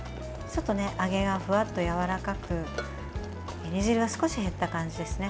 揚げがふわっとやわらかく煮汁は少し減った感じですね。